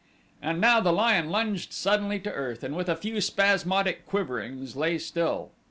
And now the lion lunged suddenly to earth and with a few spasmodic quiverings lay still.